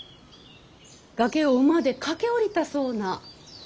崖を馬で駆け下りたそうな。